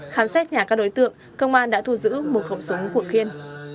khám xét nhà các đối tượng công an đã thu giữ một khẩu súng của khiên